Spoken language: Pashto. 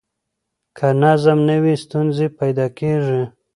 که نظم نه وي، ستونزې پیدا کېږي.